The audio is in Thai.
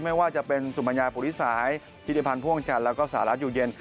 ไม่ว่าจะเป็นสุมัญญาปุริสายธิติพันธ์พ่วงจันทร์แล้วก็สหรัฐอยู่เย็น